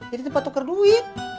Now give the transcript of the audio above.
ya di tempat tuker duit